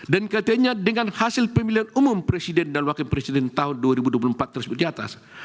dan katanya dengan hasil pemilihan umum presiden dan wakil presiden tahun dua ribu dua puluh empat tersebut diatas